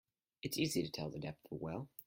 It's easy to tell the depth of a well.